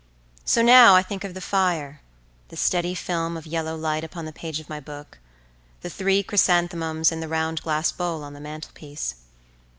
So now I think of the fire; the steady film of yellow light upon the page of my book; the three chrysanthemums in the round glass bowl on the mantelpiece.